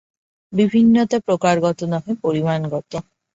বিভিন্নতা প্রকারগত নহে, পরিমাণগত।